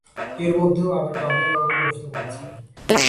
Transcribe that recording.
এর মধ্যেও আবার কাউকেকাউকে বসতে বলছে।